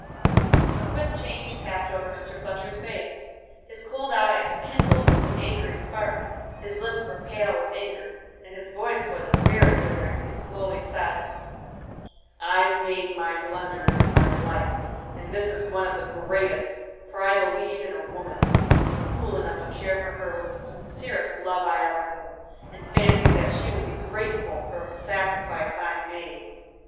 A quick change passed over Mr. Fletcher's face; his cold eyes kindled with an angry spark, his lips were pale with anger, and his voice was very bitter, as he slowly said: "I've made many blunders in my life, and this is one of the greatest; for I believed in a woman, was fool enough to care for her with the sincerest love I ever knew, and fancied that she would be grateful for the sacrifice I made."